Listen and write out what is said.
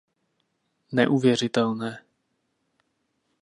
Neuvěřitelné!